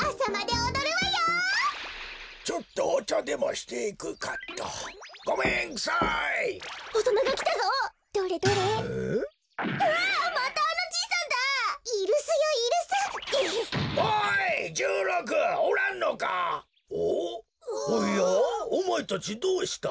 おまえたちどうした？